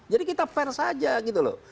jadi kita fair saja gitu loh